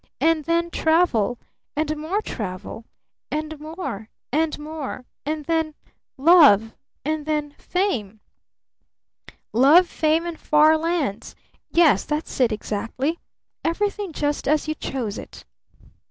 And then Travel! And more Travel! And more! And more! And then Love! And then Fame! 'Love, Fame, and Far Lands!' Yes, that's it exactly! Everything just as you chose it!